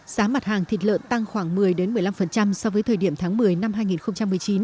giá mặt hàng thịt lợn tăng khoảng một mươi một mươi năm so với thời điểm tháng một mươi năm hai nghìn một mươi chín